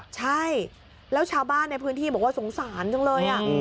ใช่แล้วชาวบ้านในพื้นที่บอกว่าสงสารจังเลย